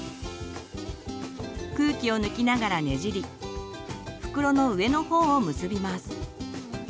空気を抜きながらねじり袋の上のほうを結びます。